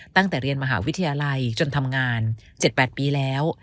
ตั้งแต่เรียนมหาวิทยาลัยจนทำงาน๗๘ปีแล้ว